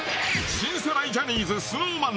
新世代ジャニーズ「ＳｎｏｗＭａｎ」